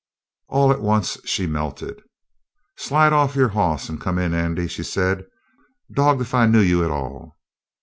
All at once she melted. "Slide off your hoss and come in, Andy," she said. "Dogged if I knew you at all!"